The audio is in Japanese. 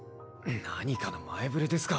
何かの前触れですか？